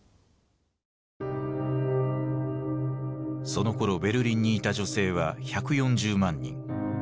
そのころベルリンにいた女性は１４０万人。